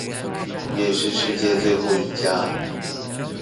也是世界最後一家